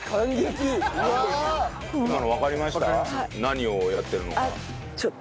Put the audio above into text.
うわあ！何をやってるのか。